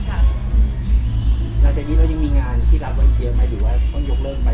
หลังจากนี้เรายังมีงานที่รับไว้จริงไหมหรือว่าต้องยกเลิกไหม